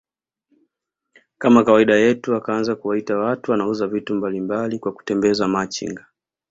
kama kawaida yetu wakaanza kuwaita watu wanauza vitu mbalimbali kwa kutembeza Machinga